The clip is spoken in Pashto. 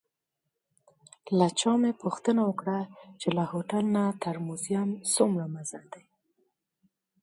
له چا مې پوښتنه وکړه چې له هوټل نه تر موزیم څومره مزل دی؟